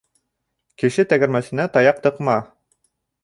Кеше тәгәрмәсенә таяҡ тыҡма.